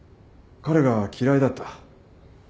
彼が嫌いだった？